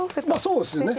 そうですね。